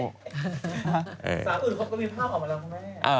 สาวอื่นเขาก็มีภาพออกมาแล้วคุณแม่